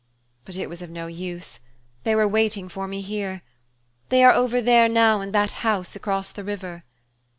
But it was of no use they were waiting for me here. They are over there now in that house across the river."